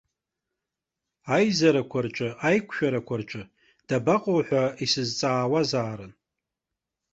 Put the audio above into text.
Аизарақәа рҿы, аиқәшәарақәа рҿы, дабаҟоу ҳәа исазҵаауазаарын.